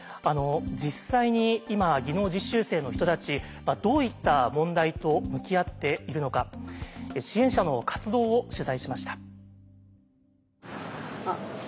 実際に今技能実習生の人たちはどういった問題と向き合っているのか支援者の活動を取材しました。